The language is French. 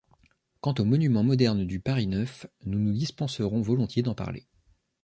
Quant aux monuments modernes du Paris neuf, nous nous dispenserons volontiers d’en parler.